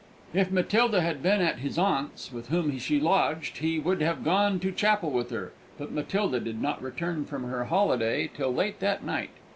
If Matilda had been at his aunt's, with whom she lodged, he would have gone to chapel with her; but Matilda did not return from her holiday till late that night.